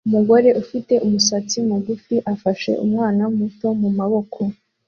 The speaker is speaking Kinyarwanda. Umugore ufite umusatsi mugufi afashe umwana muto mumaboko